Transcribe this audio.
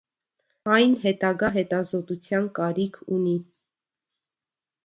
Այն հետագա հետազոտության կարիք ունի։